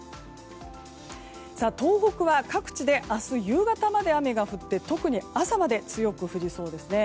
東北は各地で明日夕方まで雨が降って特に朝まで強く降りそうです。